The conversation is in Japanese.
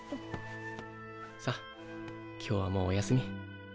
さっ今日はもうおやすみ。